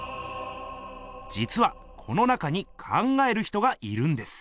じつはこの中に「考える人」がいるんです。